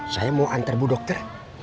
saya mau antar bu dokter